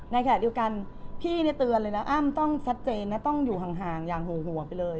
ในขณะเดียวกันพี่เตือนเลยนะอ้ำต้องชัดเจนนะต้องอยู่ห่างอย่างห่วงไปเลย